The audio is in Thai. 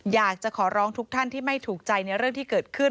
อยากจะขอร้องทุกท่านที่ไม่ถูกใจในเรื่องที่เกิดขึ้น